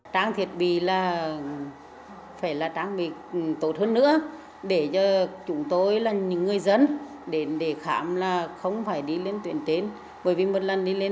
tuy nhiên trang thiết bị tại trung tâm y tế huyện về khám hàng tuần